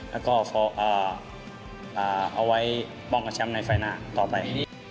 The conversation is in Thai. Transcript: แล้วก็ขอเอาไว้ป้องกันแชมป์ในไฟล์หน้าต่อไป